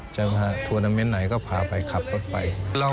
จะพาทวอร์นาเมนต์ไหนก็พาไปขับเข้าไป